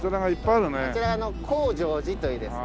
あちらは向上寺というですね